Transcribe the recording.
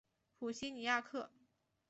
普西尼亚克。